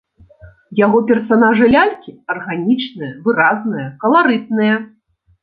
Яго персанажы-лялькі арганічныя, выразныя, каларытныя.